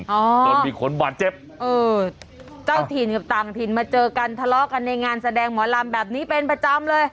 จนมีคนบาดเจ็บเออเจ้าถิ่นกับต่างถิ่นมาเจอกันทะเลาะกันในงานแสดงหมอลำแบบนี้เป็นประจำเลย